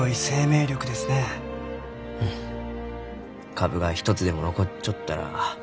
株が一つでも残っちょったら